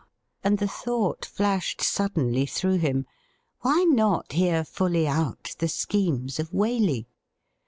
and the thought flashed suddenly through him. Why not hear fully out the schemes of Waley .''